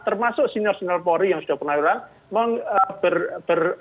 termasuk senior senior polri yang sudah pernah